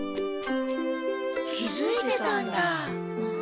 気づいてたんだ。